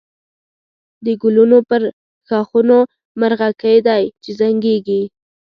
د گلونو پر ښاخونو مرغکۍ دی چی زنگېږی